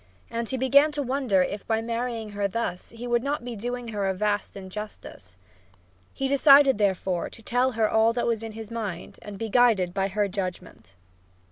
And he began to wonder if by marrying her thus he would not be doing her a vast injustice. He decided, therefore, to tell her all that was in his mind and be guided by her judgment.